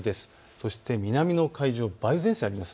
そして南の海上、梅雨前線があります。